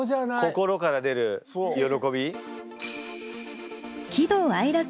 心から出る喜び。